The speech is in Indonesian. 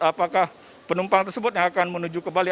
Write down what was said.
apakah penumpang tersebut yang akan menuju kembali